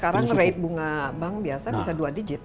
sekarang rate bunga bank biasa bisa dua digit